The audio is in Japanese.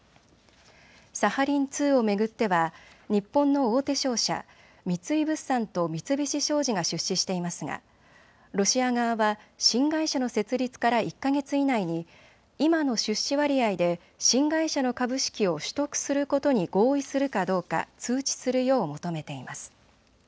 サハリン２を巡っては日本の大手商社、三井物産と三菱商事が出資していますがロシア側は新会社の設立から１か月以内に今の出資割合で新会社の株式を取得することに合意するかどうか通知するよう求めています。